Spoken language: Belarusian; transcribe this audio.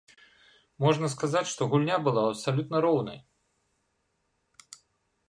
Можна сказаць, што гульня была абсалютна роўнай.